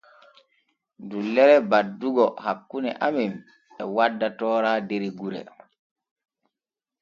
Dullere baddugo hakkune amen e wadda toora der gure.